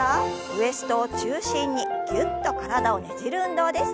ウエストを中心にぎゅっと体をねじる運動です。